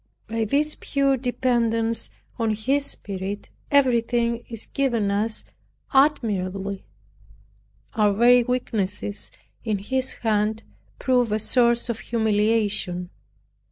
By this pure dependence on His Spirit, everything is given us admirably. Our very weaknesses, in His hand, prove a source of humilition.